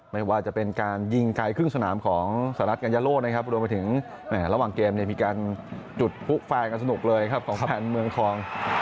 ไม่ว่าจะเป็นการยิงไกลครึ่งสนามของสหรัฐกัญญาโลนะครับรวมไปถึงระหว่างเกมเนี่ยมีการจุดผู้แฟนกันสนุกเลยครับของแฟนเมืองทอง